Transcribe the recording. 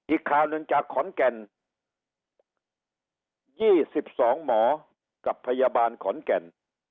อีกข่าวหนึ่งจากขอนแก่น๒๒หมอกับพยาบาลขอนแก่น